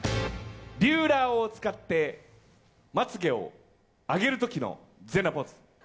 ビューラーを使ってまつげを上げる時の全裸ポーズ。